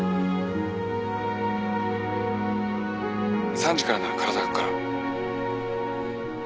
３時からなら体空くから。